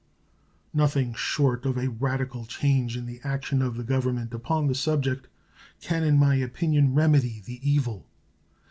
Nothing short of a radical change in the action of the Government upon the subject can, in my opinion, remedy the evil.